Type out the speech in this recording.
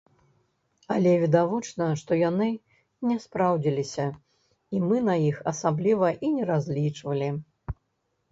Але відавочна, што яны не спраўдзіліся і мы на іх асабліва і не разлічвалі.